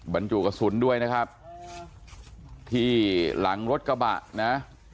บรรจุกระสุนด้วยนะครับที่หลังรถกระบะนะ